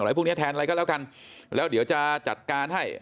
พวกนี้แทนอะไรก็แล้วกันแล้วเดี๋ยวจะจัดการให้